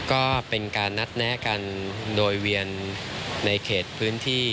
ก็เป็นการนัดแนะกันโดยเวียนในเขตพื้นที่